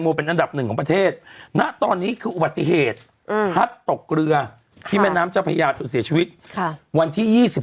มิ้นคนชอบเยอะอยู่ที่ว่าเลือกเยอะมันก็ไม่ได้